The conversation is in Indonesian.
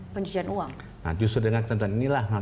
pencucian uang nah justru dengan ketentuan inilah